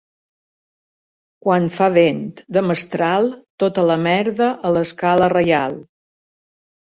Quan fa vent de mestral, tota la merda a l'Escala Reial.